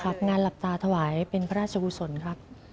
งานหลับตาถวายเป็นพระราชกุศลครับ